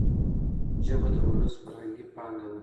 ژبه د ولس فرهنګي پانګه ده.